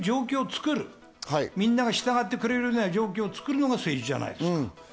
みんなが従ってくれる状況を作るのが政治じゃないですか。